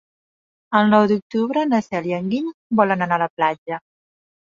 El nou d'octubre na Cel i en Guim volen anar a la platja.